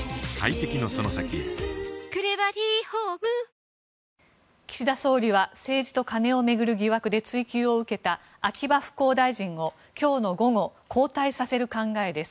どん兵衛岸田総理は政治と金を巡る疑惑で追及を受けた秋葉復興大臣を今日の午後交代させる考えです。